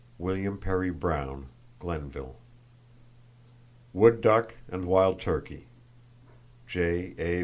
—(William Perry Brown, Glenville.) Wood duck and wild turkey.—(J.A.